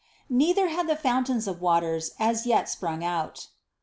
59. "Neither had the fountains of waters as yet sprung out."